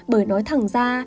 bởi nói thẳng ra